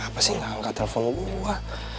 reva kena apa sih gak angkat telepon gue